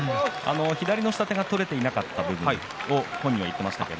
左の下手が取れていなかった部分を本人は言っていました。